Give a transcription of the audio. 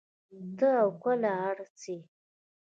تۀ او کله ار سې